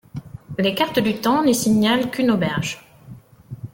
Les cartes du temps n'y signalent qu'une auberge.